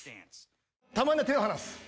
たまには手を離す。